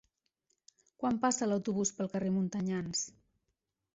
Quan passa l'autobús pel carrer Montanyans?